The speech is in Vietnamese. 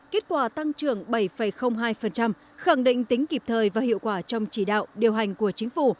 kết quả tăng trưởng bảy hai khẳng định tính kịp thời và hiệu quả trong chỉ đạo điều hành của chính phủ